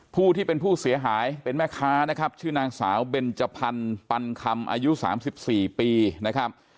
ผู้ที่เป็นผู้เสียหายเป็นแม่ค้านะครับชื่อนางสาวเบนจพันธ์ปันคำอายุ๓๔ปีนะครับ